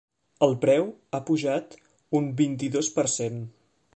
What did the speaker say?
El preu ha pujat un vint-i-dos per cent.